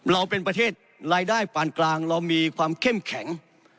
เราเป็นประเทศรายได้ปานกลางเรามีความเข้มแข็ง